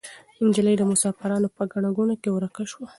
نجلۍ د مسافرانو په ګڼه ګوڼه کې ورکه شوه.